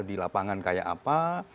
di lapangan kayak apa